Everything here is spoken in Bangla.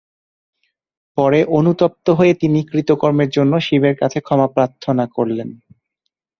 পরে অনুতপ্ত হয়ে তিনি কৃতকর্মের জন্য শিবের কাছে ক্ষমা প্রার্থনা করলেন।